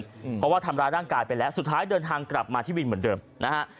เพราะว่าทำร้ายร่างกายไปแล้วสุดท้ายเดินทางกลับมาที่วินเหมือนเดิมนะฮะ